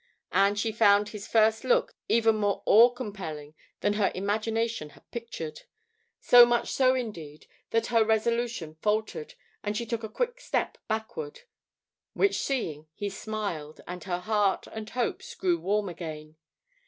And she found his first look even more awe compelling than her imagination had pictured; so much so indeed, that her resolution faltered, and she took a quick step backward; which seeing, he smiled and her heart and hopes grew warm again.